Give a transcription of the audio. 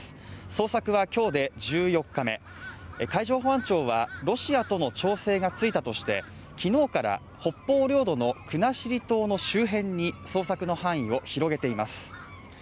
捜索は今日で１４日目海上保安庁はロシアとの調整がついたとしてきのうから北方領土の国後島の周辺に捜索の範囲を広げています